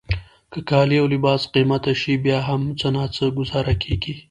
که کالي او لباس قیمته شي بیا هم څه ناڅه ګوزاره کیږي.